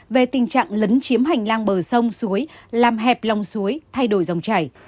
về tình trạng lấn chiếm hành lang bờ sông suối làm hẹp lòng suối thay đổi dòng chảy